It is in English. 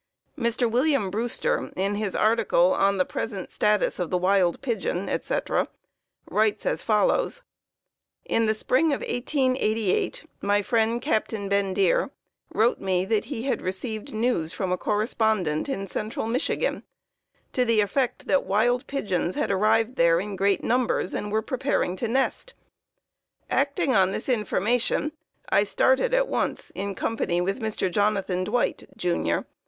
Mr. William Brewster, in his article "On the Present Status of the Wild Pigeon," etc., writes as follows: "In the spring of 1888 my friend, Captain Bendire, wrote me that he had received news from a correspondent in central Michigan to the effect that wild pigeons had arrived there in great numbers and were preparing to nest. Acting on this information, I started at once, in company with Mr. Jonathan Dwight, Jr.